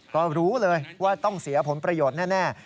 ก็รู้เลยว่าต้องเสียผลประโยชน์แน่